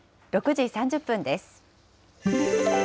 ６時３０分です。